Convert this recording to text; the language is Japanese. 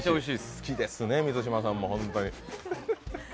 好きですね、満島さんも本当に。